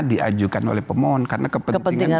diajukan oleh pemohon karena kepentingan